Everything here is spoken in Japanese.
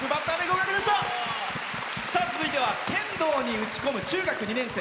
続いては剣道に打ち込む中学２年生。